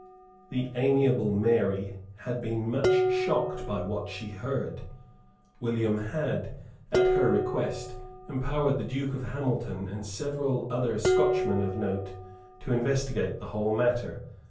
The amiable Mary had been much shocked by what she heard. William had, at her request, empowered the Duke of Hamilton and several other Scotchmen of note to investigate the whole matter.